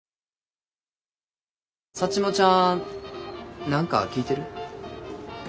サッチモちゃん何か聞いてる？